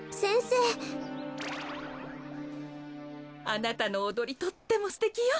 あなたのおどりとってもすてきよ。